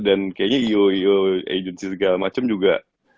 dan kayaknya io io agency segala macem juga